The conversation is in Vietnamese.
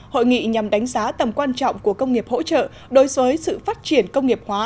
hội nghị nhằm đánh giá tầm quan trọng của công nghiệp hỗ trợ đối với sự phát triển công nghiệp hóa